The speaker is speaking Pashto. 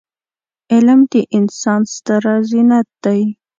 علم د انسان ستره زينت دی.